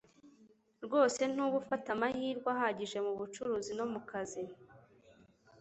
rwose ntuba ufata amahirwe ahagije mu bucuruzi no mu kazi.”